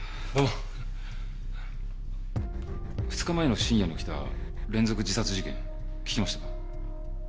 ２日前の深夜に起きた連続自殺事件聞きましたか？